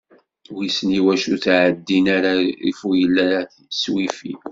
Wissen iwacu ur ttɛeddin ara ifuyla s WiFi?